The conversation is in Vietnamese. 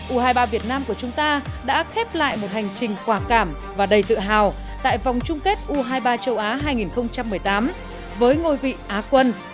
u hai mươi ba việt nam của chúng ta đã khép lại một hành trình quả cảm và đầy tự hào tại vòng chung kết u hai mươi ba châu á hai nghìn một mươi tám với ngôi vị á quân